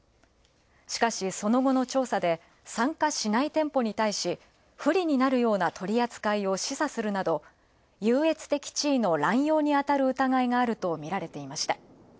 しかし、その後の調査で参加しない店舗に対し、不利になるような取り扱いを示唆するなど、優越的地位の濫用にあたる疑いがあるとみられていました。